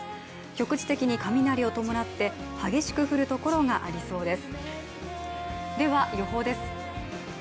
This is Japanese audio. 局地的に雷を伴って激しく降るところがありそうです。